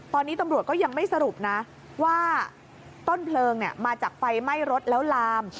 ตอนนี้ตำรวจก็ยังไม่สรุปนะว่าต้นเพลิงมาจากไฟไหม้รถแล้วลาม